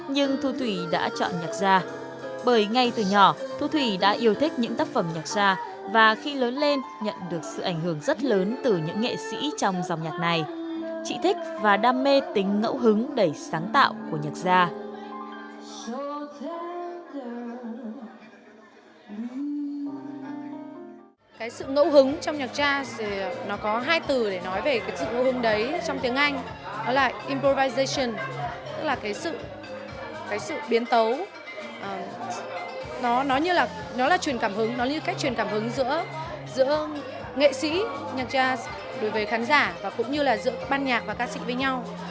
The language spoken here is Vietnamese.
nó như là truyền cảm hứng giữa nghệ sĩ nhạc gia đối với khán giả và cũng như là giữa ban nhạc và ca sĩ với nhau